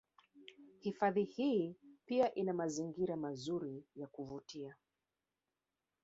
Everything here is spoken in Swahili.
Hifadhi hii pia ina mazingira mazuri ya kuvutia